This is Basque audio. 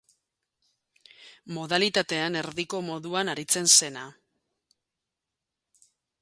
Modalitatean erdiko moduan aritzen zena.